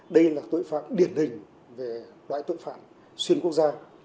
đây là tội phạm điển hình về loại tội phạm xuyên quốc gia